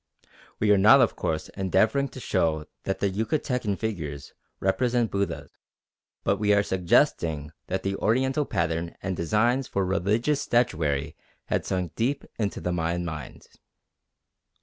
We are not of course endeavouring to show that the Yucatecan figures represent Buddha; but we are suggesting that the Oriental pattern and designs for religious statuary had sunk deep into the Mayan mind.